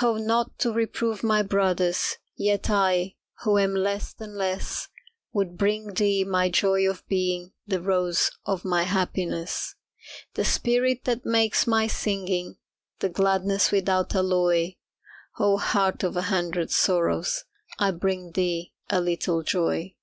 Oh, not to reprove my brothers, Yet I, who am less than less, Would bring thee my joy of being The rose of my happiness. The spirit that makes my singing The gladness without alloy, Oh, Heart of a Hundred Sorrows, I bring thee a little joy.